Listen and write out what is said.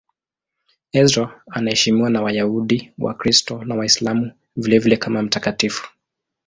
Ezra anaheshimiwa na Wayahudi, Wakristo na Waislamu vilevile kama mtakatifu.